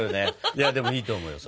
いやでもいいと思うよ。